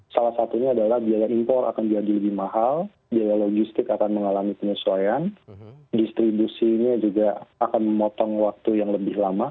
salah satunya adalah biaya impor akan jadi lebih mahal biaya logistik akan mengalami penyesuaian distribusinya juga akan memotong waktu yang lebih lama